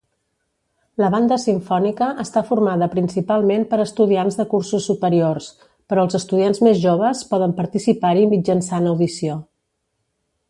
La Banda Simfònica està formada principalment per estudiants de cursos superiors, però els estudiants més joves poden participar-hi mitjançant audició.